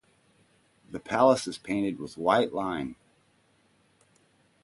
The palace is painted with white lime.